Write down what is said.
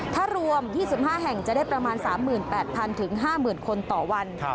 ถ้ารวม๒๕แห่งจะได้ประมาณ๓๘๐๐๕๐๐คนต่อวัน